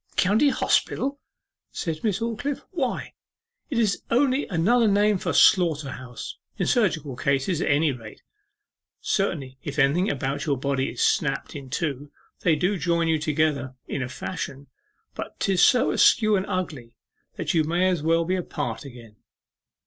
'County Hospital!' said Miss Aldclyffe; 'why, it is only another name for slaughter house in surgical cases at any rate. Certainly if anything about your body is snapt in two they do join you together in a fashion, but 'tis so askew and ugly, that you may as well be apart again.